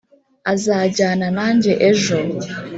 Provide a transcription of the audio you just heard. azajyana nanjye ejo.